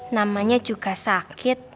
namanya juga sakit